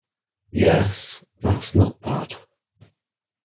Yes, that's not bad.